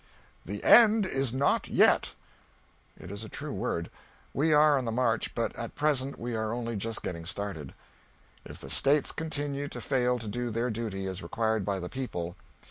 "The end is not yet." It is a true word. We are on the march, but at present we are only just getting started. If the States continue to fail to do their duty as required by the people